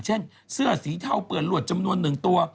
เช่นเสื้อสีเทาเปื่อนหลวดจำนวน๑ตัว